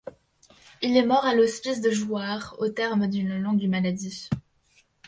Il est mort à l'hospice de Jouarre au terme d'une longue maladie.